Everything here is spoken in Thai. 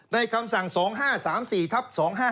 คำสั่ง๒๕๓๔ทับ๒๕๖